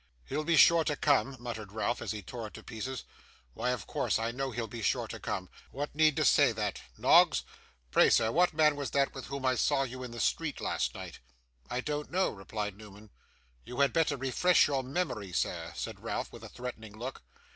'He'll be sure to come,' muttered Ralph, as he tore it to pieces; 'why of course, I know he'll be sure to come. What need to say that? Noggs! Pray, sir, what man was that, with whom I saw you in the street last night?' 'I don't know,' replied Newman. 'You had better refresh your memory, sir,' said Ralph, with a threatening look.